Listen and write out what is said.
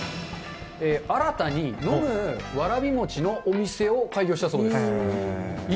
新たに飲むわらび餅のお店を開業したそうです。